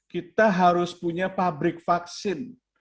kita harus punya pabrik vaksin